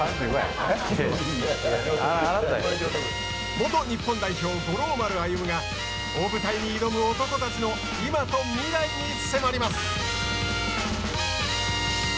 元日本代表、五郎丸歩が大舞台に挑む男たちの今と未来に迫ります。